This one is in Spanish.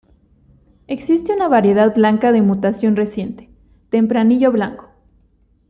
Existe una variedad blanca de mutación reciente: tempranillo blanco.